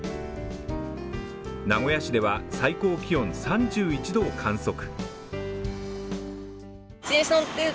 名古屋市では最高気温３１度を観測。